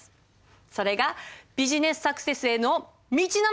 それがビジネスサクセスへの道なのだ。